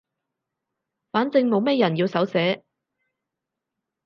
反正冇咩人要手寫